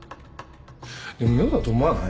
でも妙だと思わない？